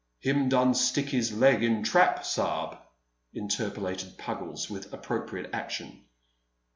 "Him done stick his leg in trap, sa'b," interpolated Puggles, with appropriate action.